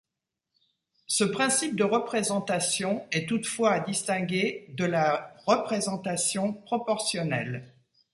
Ce principe de représentation est toutefois à distinguer de la représentation proportionnelle.